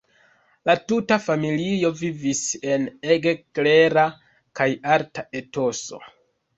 La tuta familio vivis en ege klera kaj arta etoso.